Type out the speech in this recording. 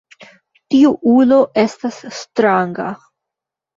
Tiu ulo estas stranga.